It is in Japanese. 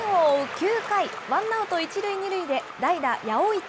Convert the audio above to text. ９回、ワンアウト１塁２塁で代打、八百板。